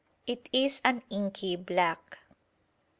It is an inky black.